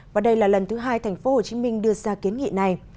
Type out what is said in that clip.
và đây là lần thứ hai tp hcm đưa ra kiến nghị này